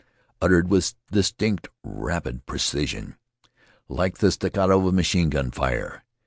uttered with distinct, rapid precision, like the staccato of machine gun fire.